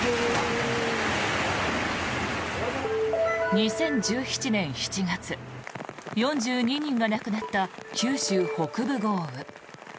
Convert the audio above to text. ２０１７年７月４２人が亡くなった九州北部豪雨。